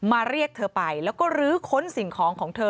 เรียกเธอไปแล้วก็ลื้อค้นสิ่งของของเธอ